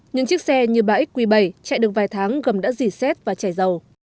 những chiếc xe như ba xq bảy chạy được vài tháng gầm đã dì xét và chảy dầu